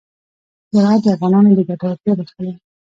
زراعت د افغانانو د ګټورتیا برخه ده.